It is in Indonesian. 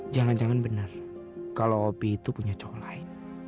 jangan jangan benar kalau opi itu punya cowok lain